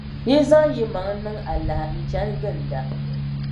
Yi zaŋ yimaŋa niŋ alaha n-chani ginda.